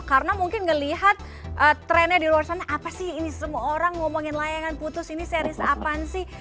karena mungkin ngelihat trennya di luar sana apa sih ini semua orang ngomongin layangan putus ini series apaan sih